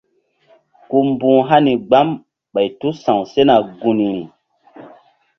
Ku mbu̧h hani gbam ɓay tu sa̧w sena gunri.